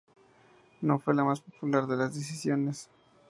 No fue la más popular de las decisiones.